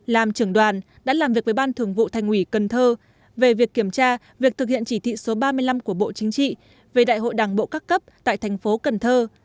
làm trưởng đoàn đã làm việc với ban thường vụ thành ủy cần thơ về việc kiểm tra việc thực hiện chỉ thị số ba mươi năm của bộ chính trị về đại hội đảng bộ các cấp tại thành phố cần thơ